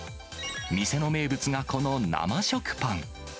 店の名物がこの生食パン。